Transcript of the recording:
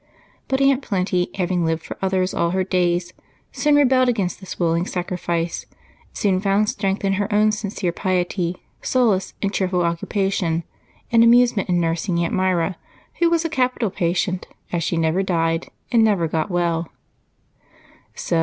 But Aunt Plenty, having lived for others all her days, soon rebelled against this willing sacrifice, soon found strength in her own sincere piety, solace in cheerful occupation, and amusement in nursing Aunt Myra, who was a capital patient, as she never died and never got well.